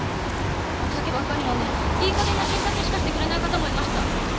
お酒ばかり飲んでいいかげんな診察しかしてくれない方もいました。